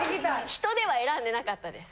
人では選んでなかったです。